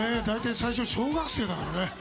大体最初、小学生だからね。